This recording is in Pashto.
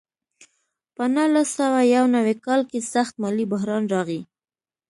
په نولس سوه یو نوي کال کې سخت مالي بحران راغی.